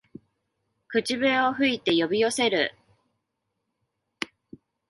口笛を吹いて呼び寄せる